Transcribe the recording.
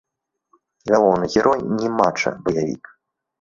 Галоўны герой не мача-баявік.